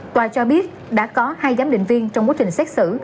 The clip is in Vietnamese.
tòa cho biết đã có hai giám định viên trong quá trình xét xử